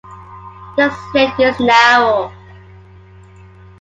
The slit is narrow.